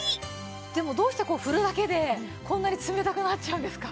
でもどうしてこう振るだけでこんなに冷たくなっちゃうんですか？